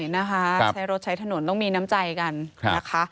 นะคะใช้รถใช้ถนนต้องมีน้ำใจกันนะคะ